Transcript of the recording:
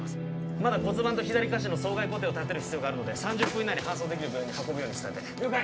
まだ骨盤と左下肢の創外固定をたてる必要があるので３０分以内に搬送できる病院に運ぶように伝えて了解！